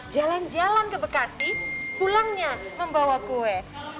jalan jalan ke bekasi pulangnya membawa kue